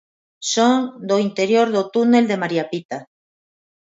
Son do interior do túnel de María Pita.